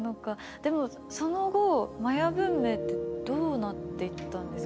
でもその後マヤ文明ってどうなっていったんですか？